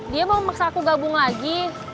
dia mau memaksa aku gabung lagi